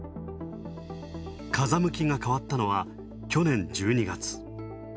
風向きが変わったのは、去年１２月。